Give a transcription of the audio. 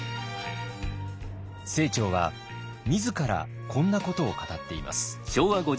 清張は自らこんなことを語っています。